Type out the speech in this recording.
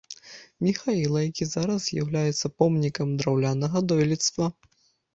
Міхаіла, які зараз з'яўляецца помнікам драўлянага дойлідства.